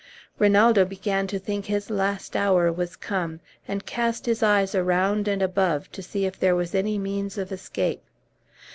Rinaldo began to think his last hour was come, and cast his eyes around and above to see if there was any means of escape.